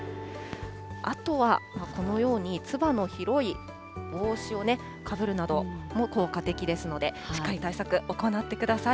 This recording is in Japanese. あとはこのように、つばの広い帽子をかぶるなども効果的ですので、しっかり対策行ってください。